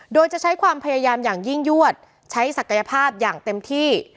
โดยจะใช้ความพยายามอย่างยิ่งยวดใช้ศักยภาพอย่างเต็มที่